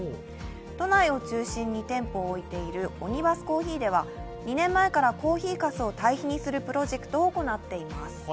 都内を中心に店舗を置いているオニバスコーヒーでは２年前からコーヒーかすを堆肥にするプロジェクトを行っています。